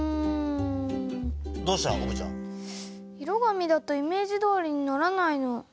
色紙だとイメージどおりにならないの。